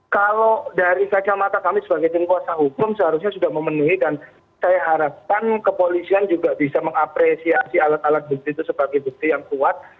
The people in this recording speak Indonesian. kalau dari kacamata kami sebagai tim kuasa hukum seharusnya sudah memenuhi dan saya harapkan kepolisian juga bisa mengapresiasi alat alat bukti itu sebagai bukti yang kuat